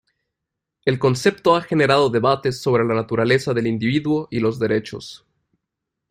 El concepto ha generado debates sobre la naturaleza del individuo y los derechos.